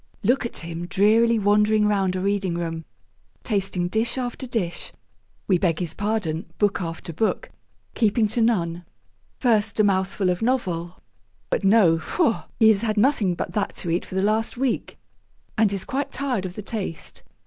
Look at him drearily wandering round a reading room, tasting dish after dish we beg his pardon, book after book keeping to none. First a mouthful of novel; but no, faugh! he has had nothing but that to eat for the last week, and is quite tired of the taste.